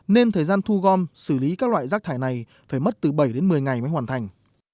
nên thời gian thu gom xử lý các loại rác thải này phải mất từ bảy đến một mươi ngày mới hoàn thành